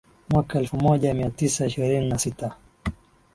mwaka elfu moja mia tisa ishirini na sita